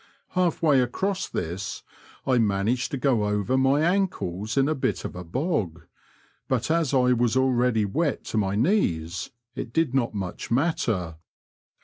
Half way across this I managed to go over my ankles in a bit of a bog, but as I was already wet to my knees it did not much matter.